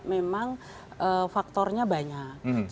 memang faktornya banyak